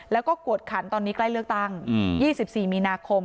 แล้วก็กวดขันตอนนี้ใกล้เลือกตั้ง๒๔มีนาคม